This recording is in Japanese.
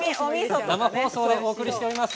生放送でお送りしております。